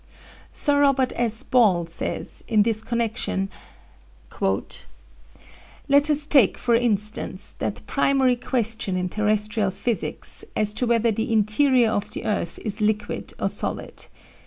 Sir Robert S. Ball says, in this connection: "Let us take, for instance, that primary question in terrestrial physics, as to whether the interior of the earth is liquid or solid.